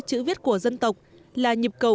chữ viết của dân tộc là nhịp cầu